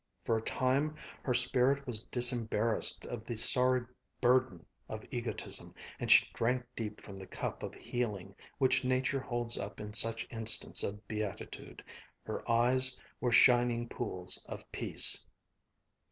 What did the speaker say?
For a time her spirit was disembarrassed of the sorry burden of egotism, and she drank deep from the cup of healing which Nature holds up in such instants of beatitude. Her eyes were shining pools of peace....